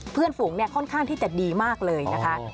ฝูงเนี่ยค่อนข้างที่จะดีมากเลยนะคะ